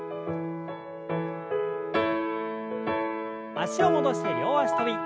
脚を戻して両脚跳び。